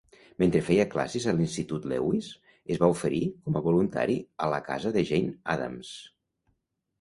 Mentre feia classes a l'Institut Lewis, es va oferir com a voluntari a la casa de Jane Addams.